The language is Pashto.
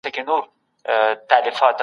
د ميرويس خان نيکه مړستون ته خلګ ولي ورځي؟